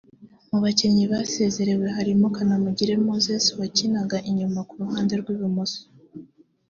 Mu bakinnyi bane basezerewe harimo Kanamugire Moses wakinaga inyuma ku ruhande rw’ibumoso